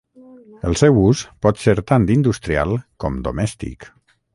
El seu ús pot ser tant industrial com domèstic.